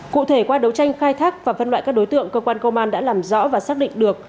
cụ thể qua đấu tranh khai thác và phân loại các đối tượng cơ quan công an đã làm rõ và xác định được